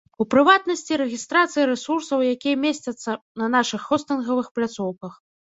У прыватнасці, рэгістрацыя рэсурсаў, якія месцяцца на нашых хостынгавых пляцоўках.